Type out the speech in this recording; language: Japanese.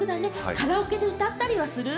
カラオケで歌ったりする？